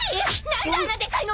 何であんなでかいの！？